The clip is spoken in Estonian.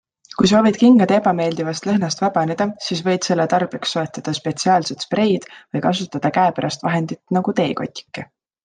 Kui soovid kingade ebameeldivast lõhnast vabaneda, siis võid selle tarbeks soetada spetsiaalsed spreid või kasutada käepärast vahendit nagu teekotike.